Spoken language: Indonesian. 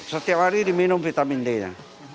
setiap hari diminum vitamin d nya